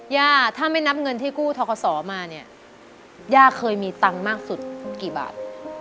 ย่าถ้าไม่นับเงินที่กู้ทกศมาเนี่ยย่าเคยมีตังค์มากสุดกี่บาท